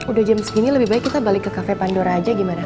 udah jam segini lebih baik kita balik ke cafe pandora aja gimana